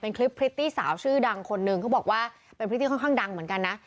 เป็นคลิปพริตตี้สาวชื่อดังคนนึงเขาบอกว่าเป็นพริตตี้ค่อนข้างดังเหมือนกันนะ